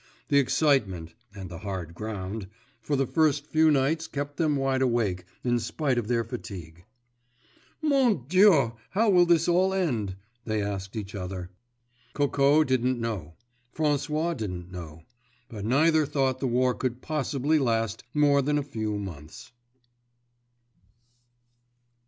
The excitement (and the hard ground) for the first few nights kept them wide awake, in spite of their fatigue. "Mon Dieu, how will this all end?" they asked each other. Coco didn't know, François didn't know; but neither thought the war could possibly last more than a few months.